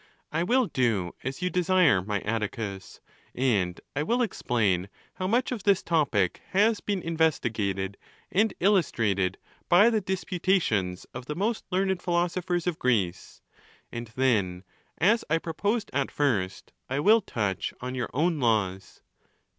—I will do as you desire, my Atticus, and I will explain how much of this topic has been, investigated and illustrated by the disputations of the most learned philosophers of Greece, and then, as I proposed at first, I will touch on your own laws.